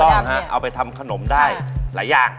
ถั่วดำเนี่ยเอาไปทำขนมได้หลายอย่าง